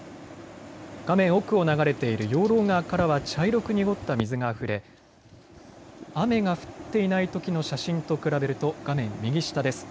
画面奥を流れている養老川からは茶色く濁った水があふれ雨が降っていないときの写真と比べると画面右下です。